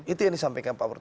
itu yang disampaikan pak purwo